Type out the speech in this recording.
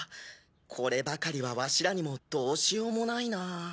こればかりはワシらにもどうしようもないな。